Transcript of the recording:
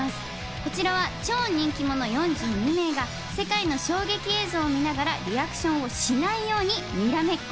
こちらは超人気者４２名が世界の衝撃映像を見ながらリアクションをしないように、にらめっこ。